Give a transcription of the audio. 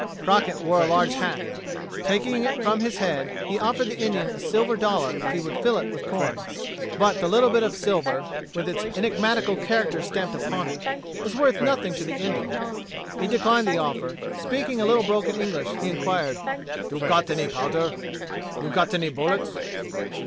Crockett wore a large hat. Taking it from his head, he offered the Indian a silver dollar if he would fill it with corn. But the little bit of silver, with enigmatical characters stamped upon it, was worth nothing to the Indian. He declined the offer. Speaking a little broken English, he inquired, "You got any powder? You got any bullets?"